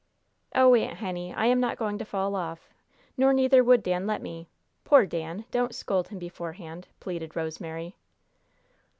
"Oh, Aunt Henny, I am not going to fall off; nor neither would Dan let me. Poor Dan! Don't scold him beforehand," pleaded Rosemary.